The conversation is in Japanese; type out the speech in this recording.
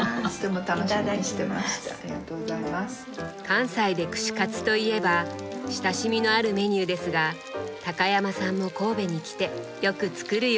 関西で串カツといえば親しみのあるメニューですが高山さんも神戸に来てよく作るようになったとか。